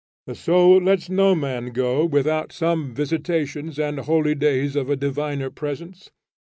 The soul lets no man go without some visitations and holydays of a diviner presence.